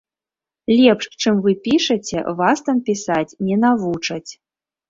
Лепш, чым вы пішаце, вас там пісаць не навучаць.